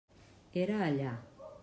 Era allà.